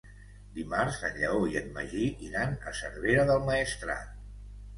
Dimarts en Lleó i en Magí iran a Cervera del Maestrat.